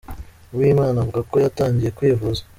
Uwimana avuga ko yatangiye kwivuza.